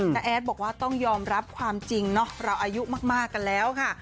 แอดบอกว่าต้องยอมรับความจริงเนาะเราอายุมากกันแล้วค่ะ